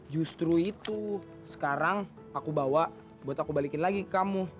justru itu sekarang aku bawa buat aku balikin lagi ke kamu